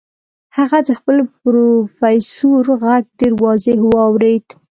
هغه د خپل پروفيسور غږ ډېر واضح واورېد.